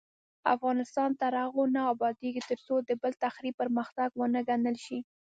افغانستان تر هغو نه ابادیږي، ترڅو د بل تخریب پرمختګ ونه ګڼل شي.